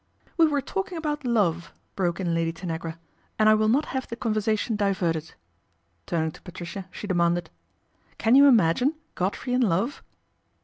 We were talking about love," broke in Lady anagra, " and I will not have the conversation i verted." Turning to Patricia she demanded, Can you imagine Godfrey in love